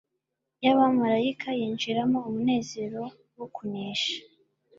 y'abamaraika yinjiranamo umunezero wo kunesha.